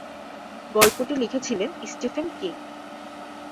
গল্পটি লিখেছিলেন Stephen king.